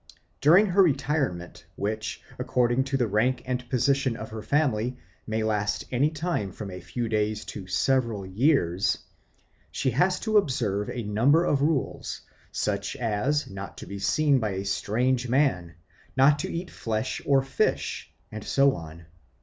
During her retirement, which, according to the rank and position of her family, may last any time from a few days to several years, she has to observe a number of rules, such as not to be seen by a strange man, not to eat flesh or fish, and so on.